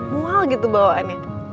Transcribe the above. mual gitu bawaannya